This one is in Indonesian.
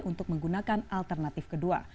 untuk menggunakan alternatif kedua